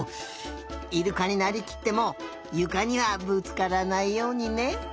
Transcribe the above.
イルカになりきってもゆかにはぶつからないようにね。